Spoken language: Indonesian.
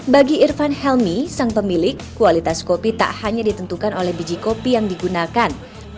bagi irfan helmi sang pemilik kualitas kopi tak hanya ditentukan oleh biji kopi yang digunakan